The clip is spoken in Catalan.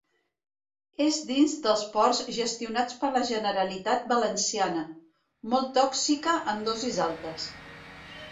És dins dels ports gestionats per la Generalitat Valenciana. Molt tòxica en dosis altes.